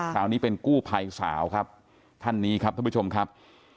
คราวนี้เป็นกู้ภัยสาวครับท่านนี้ครับท่านผู้ชมครับ